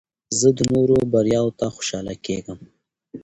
زه د نورو بریاوو ته خوشحاله کېږم.